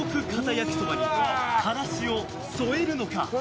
焼きそばに、からしを添えるのか？